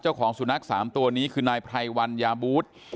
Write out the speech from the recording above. เจ้าของสุนัข๓ตัวนี้คือนายไพรวัญญาบูธ